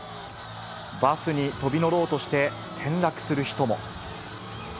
バスに飛び乗ろうとして転落する人も。